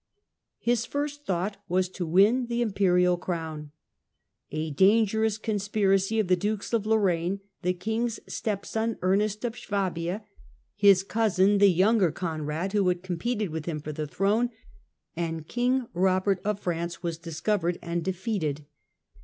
His first thought was to win the imperial crown. A dangerous conspiracy of the dukes of Lorraine, the king's step son Ernest of Swabia, his cousin "the younger Conrad," who had competed with him for the throne, and King Eobert of France, was discovered and defeated.